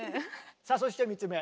さあそして３つ目。